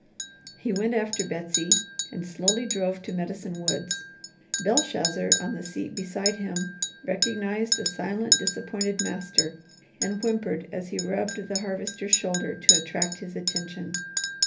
He went after Betsy and slowly drove to Medicine Woods. Belshazzar, on the seat beside him, recognized a silent, disappointed master and whimpered as he rubbed the Harvester's shoulder to attract his attention.